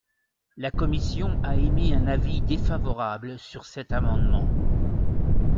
La commission a émis un avis défavorable sur cet amendement.